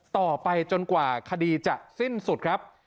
ต่อไปจนกว่าคดีจะสิ้นสุดครับ